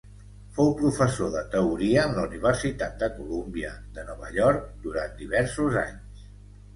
Fou professor de Teoria en la Universitat de Colúmbia, de Nova York, durant diversos anys.